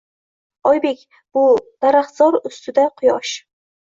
Oybek — bu daraxtzor ustida quyosh